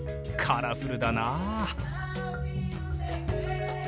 カラフルだなあ。